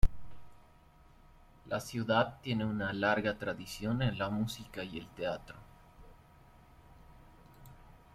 La ciudad tiene una larga tradición en la música y el teatro.